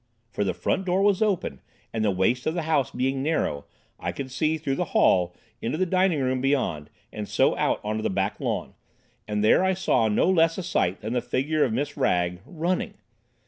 For the front door was open, and the waist of the house being narrow, I could see through the hall into the dining room beyond, and so out on to the back lawn, and there I saw no less a sight than the figure of Miss Wragge—running.